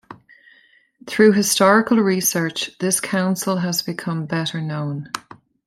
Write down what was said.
Through historical research this council has become better known.